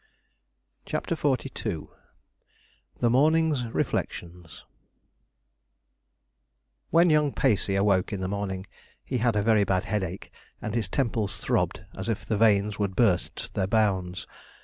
CHAPTER XLII THE MORNING'S REFLECTIONS When young Pacey awoke in the morning he had a very bad headache, and his temples throbbed as if the veins would burst their bounds.